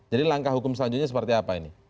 jadi langkah hukum selanjutnya seperti apa ini